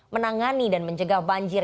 menangani dan menjegah banjir